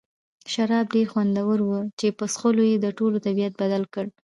شراب ډېر خوندور وو چې په څښلو یې د ټولو طبیعت بدل کړ.